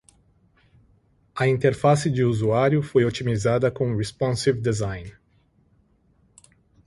A interface de usuário foi otimizada com Responsive Design.